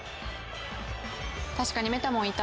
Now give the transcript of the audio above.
確かにメタモンいた。